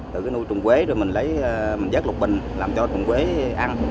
từ cái nuôi trùng quế rồi mình lấy mình dắt lục bình làm cho trùng quế ăn